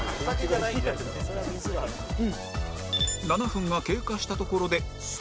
７分が経過したところで更に